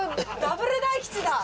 ダブル大吉です。